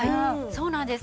そうなんです